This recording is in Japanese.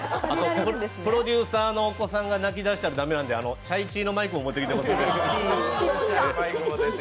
プロデューサーのお子さんが泣き出したら駄目なのでチャイチーのマイクも持ってきています。